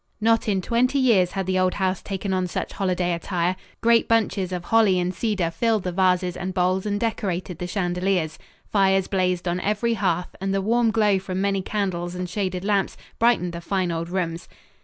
Not in twenty years had the old house taken on such holiday attire. Great bunches of holly and cedar filled the vases and bowls and decorated the chandeliers. Fires blazed on every hearth and the warm glow from many candles and shaded lamps brightened the fine old rooms.